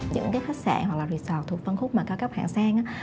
những khách sạn hoặc resort thuộc phân khúc cao cấp hạng sang